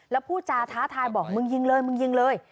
แล้วพูดจาท้าทายบอกมึงยิงเลยมึงยิงเลย